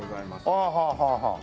ああはあはあはあ。